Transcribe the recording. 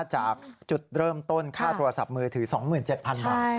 จากจุดเริ่มต้นค่าโทรศัพท์มือถือ๒๗๐๐บาท